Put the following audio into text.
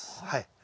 はい。